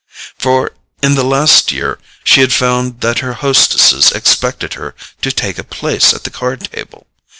For in the last year she had found that her hostesses expected her to take a place at the card table.